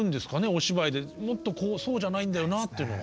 お芝居でもっとこうそうじゃないんだよなっていうのは。